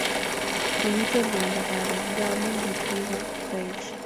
Mamiten rwando karun ngamun kityeni koeech